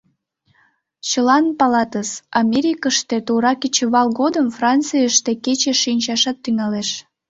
Чылан палатыс: Америкыште тура кечывал годым Францийыште кече шинчашат тӱҥалеш.